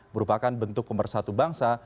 merupakan bentuk pemersatu bangsa